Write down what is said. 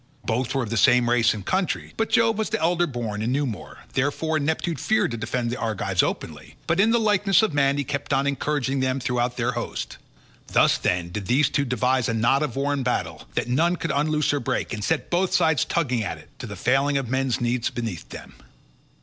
Both were of the same race and country, but Jove was elder born and knew more, therefore Neptune feared to defend the Argives openly, but in the likeness of man, he kept on encouraging them throughout their host. Thus, then, did these two devise a knot of war and battle, that none could unloose or break, and set both sides tugging at it, to the failing of men's knees beneath them.